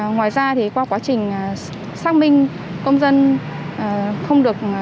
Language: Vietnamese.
ngoài ra thì qua quá trình xác minh công dân không được